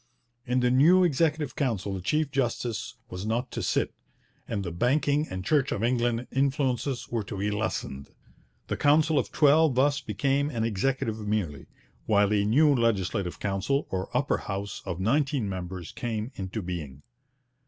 In the new Executive Council the chief justice was not to sit, and the banking and Church of England influences were to be lessened. The Council of Twelve thus became an Executive merely, while a new Legislative Council, or Upper House, of nineteen members, came into being.